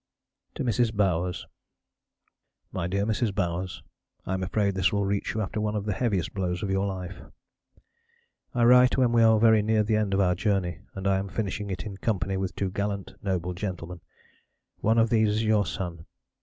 To Mrs. Bowers MY DEAR MRS. BOWERS. I am afraid this will reach you after one of the heaviest blows of your life. I write when we are very near the end of our journey, and I am finishing it in company with two gallant, noble gentlemen. One of these is your son.